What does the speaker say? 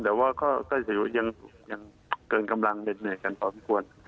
แต่ว่าก็ยังเกินกำลังเหนื่อยกันพอสมควร